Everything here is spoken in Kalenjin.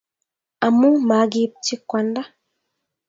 Amu magi-ipchi Kwanda